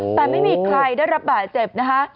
แต่ไม่มีใครได้รับบาดเจ็บนะคะ